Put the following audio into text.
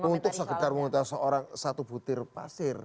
untuk sebetulnya seorang satu butir pasir